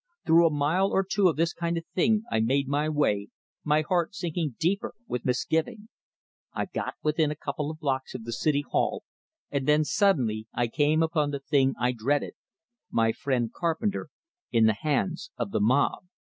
Through a mile or two of this kind of thing I made my way, my heart sinking deeper with misgiving. I got within a couple of blocks of the City Hall, and then suddenly I came upon the thing I dreaded my friend Carpenter in the hands of the mob!